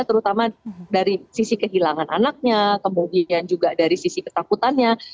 terutama dari sisi kehilangan anaknya kemudian juga dari sisi ketakutannya